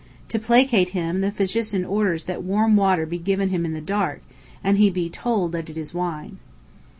To placate him, the physician orders that warm water be given him in the dark, and he be told that it is wine.